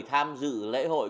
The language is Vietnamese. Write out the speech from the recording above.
tham dự lễ hội